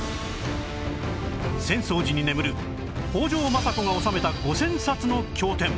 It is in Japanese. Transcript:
浅草寺に眠る北条政子が納めた５０００冊の経典